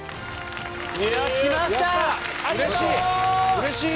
うれしい！